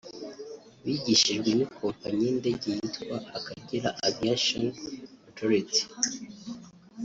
bigishijwe n’ikompanyi y’indege yitwa "Akagera Aviation Authority"